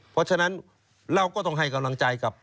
เพราะฉะนั้นเราก็ต้องให้กำลังใจกับ